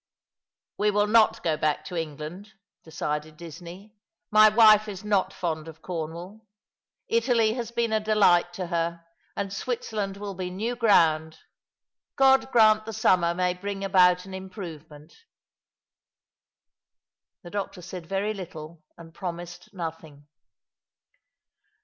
" We will not go back to England," decided Disney. " My wife is not fond of Cornwall. Italy has been a delight to her; and Switzerland will be new ground. God grant the summer may bring about an improyement !" The doctor said very little, and promised nothing.